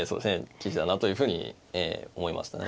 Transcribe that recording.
棋士だなというふうにええ思いましたね。